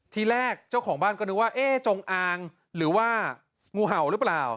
ทีแรกเจ้าของบ้านก็นึกว่าเอ๊ะจงอางหรือว่างูเห่าหรือเปล่า